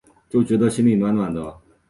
就觉得心里暖暖的